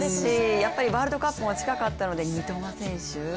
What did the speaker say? やっぱりワールドカップも近かったので、三笘選手。